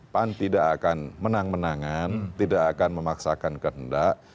pan tidak akan menang menangan tidak akan memaksakan kehendak